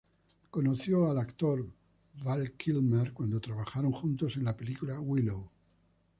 Conoció al actor Val Kilmer cuando trabajaron juntos en la película "Willow".